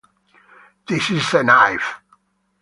This is a knife!